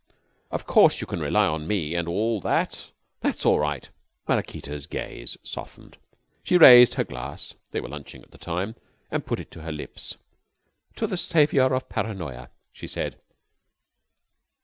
Of course you can rely on me, and all that. That's all right." Maraquita's gaze softened. She raised her glass they were lunching at the time and put it to her lips. "To the Savior of Paranoya!" she said.